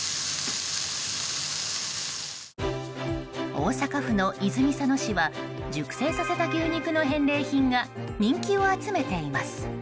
大阪府の泉佐野市は熟成させた牛肉の返礼品が人気を集めています。